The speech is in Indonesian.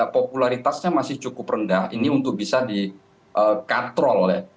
popularitasnya masih cukup rendah ini untuk bisa dikatrol ya